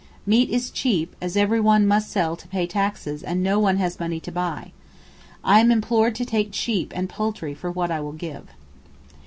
Meat is cheap, as everyone must sell to pay taxes and no one has money to buy. I am implored to take sheep and poultry for what I will give.